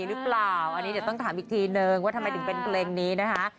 หรือเปล่าอันนี้เดี๋ยวต้องถามอีกทีนึงว่าทำไมถึงเป็นเพลงนี้นะคะ